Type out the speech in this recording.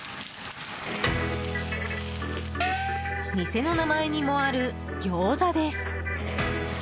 店の名前にもある餃子です。